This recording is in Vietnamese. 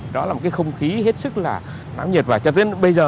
đó là một cái không khí hết sức là náo nhiệt và cho đến bây giờ